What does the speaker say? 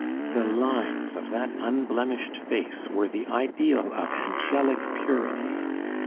The lines of that unblemished face were the ideal of angelic purity.